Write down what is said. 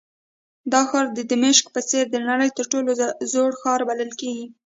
دا ښار د دمشق په څېر د نړۍ تر ټولو زوړ ښار بلل کېږي.